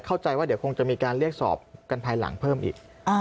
เข้าใจว่าเดี๋ยวคงจะมีการเรียกสอบกันภายหลังเพิ่มอีก